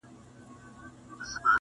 • ده څو ځله تلاښ وکړ چي سپی ورک سي -